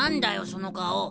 その顔。